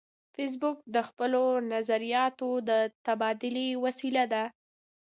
فېسبوک د خپلو نظریاتو د تبادلې وسیله ده